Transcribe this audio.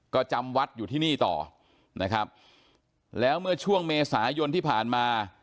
ก็จำวัดอยู่ที่นี่ต่อนะครับแล้วเมื่อช่วงเมษายนที่ผ่านมา